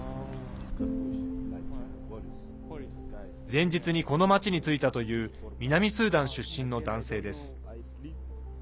前日に、この町に着いたという南スーダン出身の男性です。